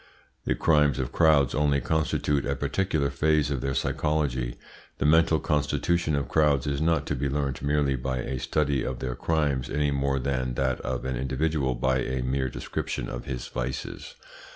The crimes of crowds only constitute a particular phase of their psychology. The mental constitution of crowds is not to be learnt merely by a study of their crimes, any more than that of an individual by a mere description of his vices.